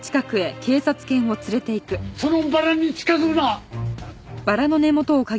そのバラに近づくな！